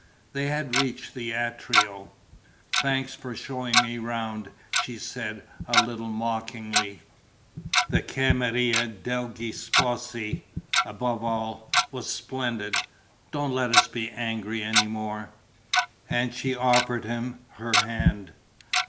They had reached the atrio: "Thanks for showing me round," she said, a little mockingly. "The camera degli sposi, above all, was splendid. Don't let us be angry any more." And she offered him her hand.